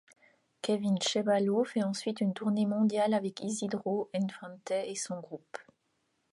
Kevin Ceballo fait ensuite une tournée mondiale avec Isidro Infante et son groupe.